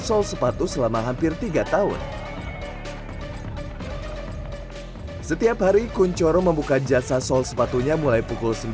sol sepatu selama hampir tiga tahun setiap hari kunchoro membuka jasa sol sepatunya mulai pukul sembilan